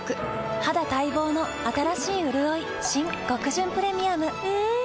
肌待望の新しいうるおい新極潤プレミアム。